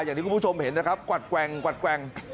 อย่างที่คุณผู้ชมเห็นนะครับกวัดแกว่งกวัดแกว่ง